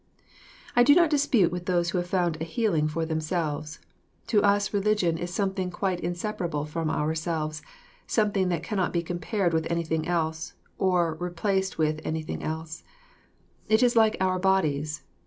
I do not dispute with those who have found a healing for themselves. To us our religion is something quite inseparable from ourselves, something that cannot be compared with anything else, or replaced ith anything else. It is like our bodies.